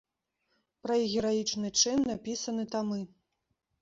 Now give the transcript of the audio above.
Пра іх гераічны чын напісаны тамы.